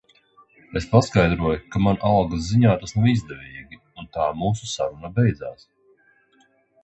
Es paskaidroju, ka man algas ziņā tas nav izdevīgi un tā mūsu saruna beidzās.